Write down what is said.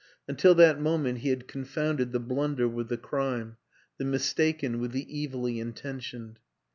... Until that moment he had confounded the blunder with the crime, the mistaken with the evilly in tentioned.